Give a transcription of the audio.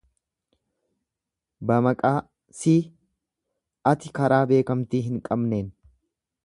Bamaqaa si, ati karaa beekkamtii hin qabneen